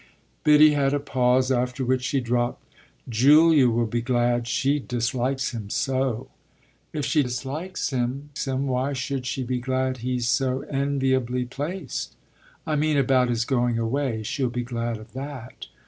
Biddy had a pause, after which she dropped: "Julia will be glad she dislikes him so." "If she dislikes him why should she be glad he's so enviably placed?" "I mean about his going away. She'll be glad of that."